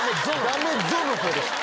ダメ「ぞ」の方でした。